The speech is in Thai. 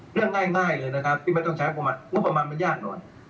เรื่องง่ายเลยนะครับที่ไม่ต้องใช้งบประมาณมันยากหน่อย